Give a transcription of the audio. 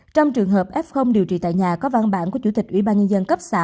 trong trường hợp f điều trị tại nhà có văn bản của chủ tịch ủy ban nhân dân cấp xã